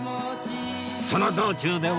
その道中では